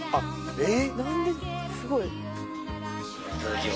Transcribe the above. えっ！？